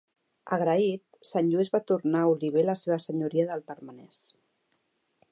Agraït, sant Lluís va tornar a Oliver la seva senyoria del Termenès.